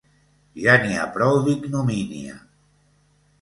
Ja n’hi ha prou d’ignomínia!